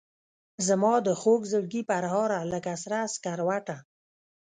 زمادخوږزړګي پرهاره لکه سره سکروټه